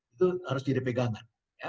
itu harus jadi pegangan